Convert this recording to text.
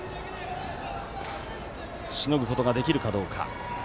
しのぐことができるかどうか。